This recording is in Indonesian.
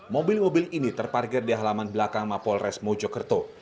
mobil mobil ini terparkir di halaman belakang mapolres mojokerto